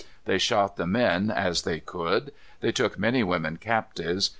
They shot the men, as they could. They took many women captives.